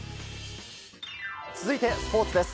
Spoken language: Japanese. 続いて、スポーツです。